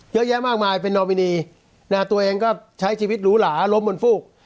เยอะแยะมากมายเป็นนอมินีตัวเองก็ใช้ชีวิตหรูหลาล้มบนฟูก